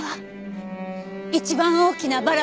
一番大きなバラが。